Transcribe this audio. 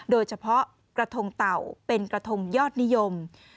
โดยเฉพาะกระทงเต่าเป็นกระทงยอดนิยม